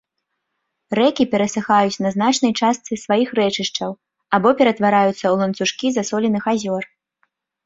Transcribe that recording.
Рэкі перасыхаюць на значнай частцы сваіх рэчышчаў або ператвараюцца ў ланцужкі засоленых азёр.